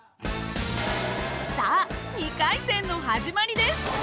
さあ２回戦の始まりです！